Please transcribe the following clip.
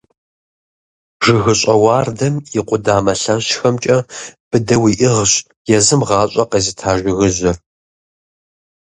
ЖыгыщӀэ уардэм и къудамэ лъэщхэмкӀэ быдэу иӀыгъщ езым гъащӀэ къезыта жыгыжьыр.